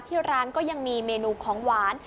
ที่ร้านก็ยังมีเมนูของหวาน